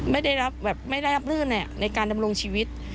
ไม่ได้รับรื่นในการดำลงชีวิต